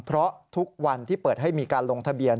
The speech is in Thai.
เพราะทุกวันที่เปิดให้มีการลงทะเบียน